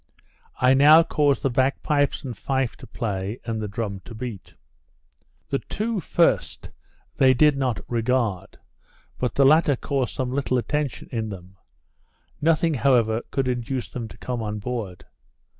I now caused the bagpipes and fife to play, and the drum to beat. The two first they did not regard; but the latter caused some little attention in them; nothing however could induce them to come on board.